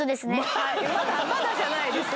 「まだ」じゃないです。